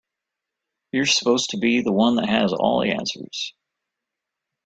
You're supposed to be the one that has all the answers.